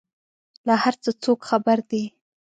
له هر څه څوک خبر دي؟